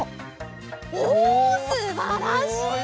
おおすばらしい！